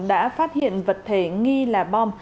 đã phát hiện vật thể nghi là bom